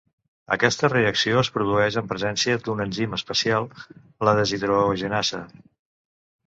Aquesta reacció es produeix en presència d'un enzim especial, la deshidrogenasa.